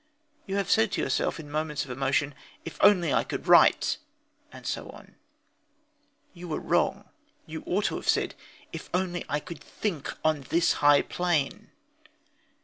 You have said to yourself in moments of emotion: "If only I could write ," etc. You were wrong. You ought to have said: "If only I could think on this high plane."